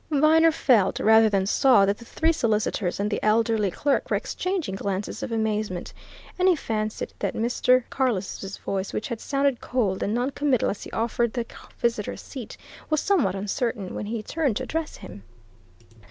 Viner felt, rather than saw, that the three solicitors and the elderly clerk were exchanging glances of amazement. And he fancied that Mr. Carless' voice, which had sounded cold and noncommittal as he offered the visitor a seat, was somewhat uncertain when he turned to address him.